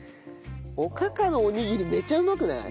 おかかのおにぎりめっちゃうまくない？